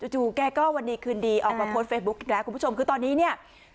จู่แกก็วันนี้คืนดีออกมาโพสต์เฟซบุ๊คอีกแล้วคุณผู้ชมคือตอนนี้เนี่ย